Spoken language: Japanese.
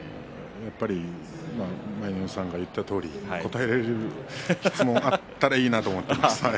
やっぱり、舞の海さんが言ったように答えられる質問があったらいいなと。